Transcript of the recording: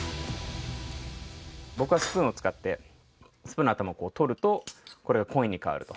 僕はスプーンを使ってスプーンの頭を取るとこれがコインに変わると。